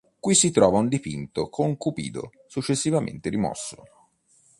Qui si trovava un dipinto con "Cupido", successivamente rimosso.